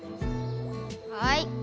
はい。